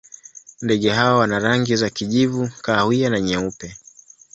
Ndege hawa wana rangi za kijivu, kahawa na nyeupe.